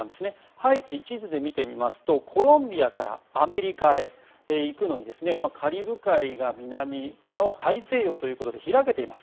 ハイチを地図で見てみますとコロンビアからアメリカへ行くのにカリブ海が南北は大西洋というところで開けています。